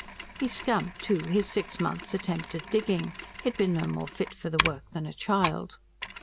He scamped, too, his six months' attempt at digging he had been no more fit for the work than a child.